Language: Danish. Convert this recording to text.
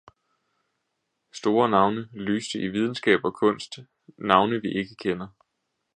Store navne lyste i videnskab og kunst, navne, vi ikke kender.